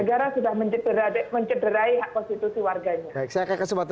negara sudah mencederai hak konstitusi warganya